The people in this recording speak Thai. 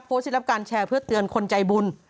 ที่ได้รับการแชร์เพื่อเตือนคนใจบุญ